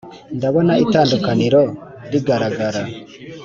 ndabona itandukaniro rigaragara